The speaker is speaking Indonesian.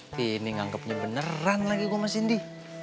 tini nganggepnya beneran lagi gue sama sindi